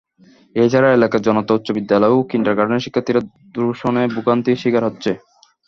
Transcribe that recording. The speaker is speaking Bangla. এ ছাড়া এলাকার জনতা উচ্চবিদ্যালয় ও কিন্ডারগার্টেনের শিক্ষার্থীরা দূষণে ভোগান্তি শিকার হচ্ছে।